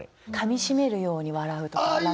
「噛みしめるように笑う」とか？